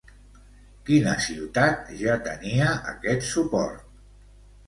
Quina ciutat ja tenia aquest suport?